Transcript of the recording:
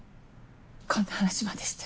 こんな話までして。